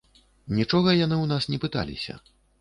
Нічога яны ў нас не пыталіся.